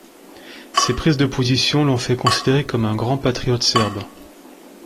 Ces prises de position l'ont fait considérer comme un grand patriote serbe.